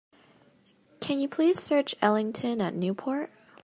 Can you please search Ellington at Newport?